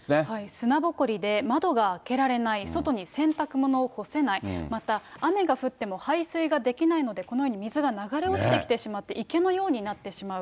砂ぼこりで窓が開けられない、外に洗濯物を干せない、また雨が降っても排水ができないので、このように水が流れ落ちてきてしまって、池のようになってしまう。